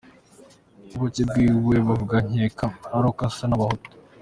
Ububi bwiwe bavuga nkeka aruko asa n’abahutu!!!!!!!!!!!!!!!!!!!!!!